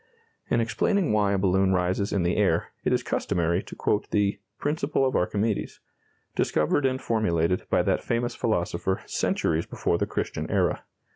In explaining why a balloon rises in the air, it is customary to quote the "principle of Archimedes," discovered and formulated by that famous philosopher centuries before the Christian era.